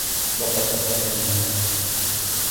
لقد أخافني هذا.